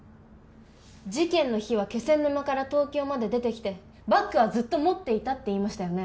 事件の日は気仙沼から東京まで出てきてバッグはずっと持っていたって言いましたよね？